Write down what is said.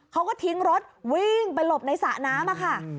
เขาก็ทิ้งรถวิ่งไปหลบในสระน้ำค่ะ